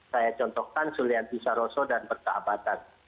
saya contohkan sulianti saroso dan persahabatan